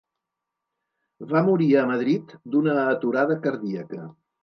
Va morir a Madrid d'una aturada cardíaca.